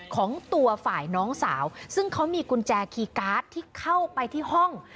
ของตัวฝ่ายน้องสาวซึ่งเขามีกุญแจคีย์การ์ดที่เข้าไปที่ห้อง